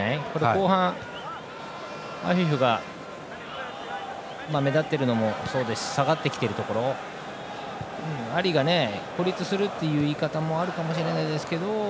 後半、アフィフが目立っているのもそうですし下がってきているところアリが孤立するという言い方もあるかもしれないですけど